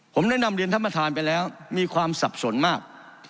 ผมได้นำเรียนท่านประธานไปแล้วมีความสับสนมาก